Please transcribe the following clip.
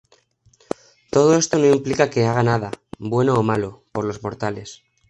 Todo esto no implica que haga nada, bueno o malo, por los mortales.